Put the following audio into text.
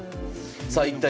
さあ一体